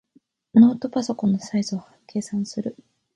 ノートパソコンのサイズを計測する。